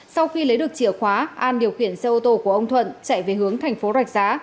sau khi lấy được chìa khóa an điều khiển xe ô tô của ông thuận chạy về hướng thành phố rạch giá